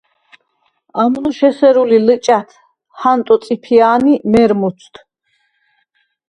ამნოშ ესერუ ლი ლჷჭა̈თ ჰანტო წიფია̄ნ ი მერმუცდ!